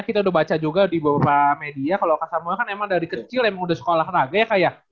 kita udah baca juga di beberapa media kalau kasamua kan emang dari kecil emang udah sekolah raga ya kak ya